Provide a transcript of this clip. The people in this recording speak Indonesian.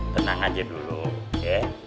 tenang aja dulu ya